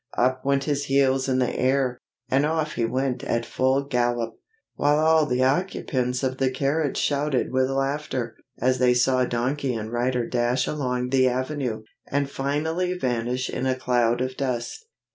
up went his heels in the air, and off he went at full gallop, while all the occupants of the carriage shouted with laughter, as they saw donkey and rider dash along the avenue, and finally vanish in a cloud of dust.